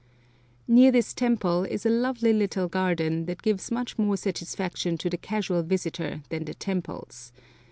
Near this temple is a lovely little garden that gives much more satisfaction to the casual visitor than the temples.